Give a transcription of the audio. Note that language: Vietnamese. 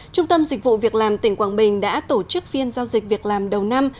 trung tâm dịch vụ việc làm tỉnh quảng bình đã tổ chức phiên giao dịch việc làm đầu năm